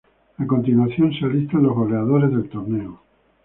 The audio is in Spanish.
A continuación se listan los goleadores del torneo.